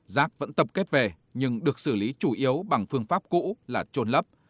rác vẫn tập kết về nhưng được xử lý chủ yếu bằng phương pháp cũ là trồn lấp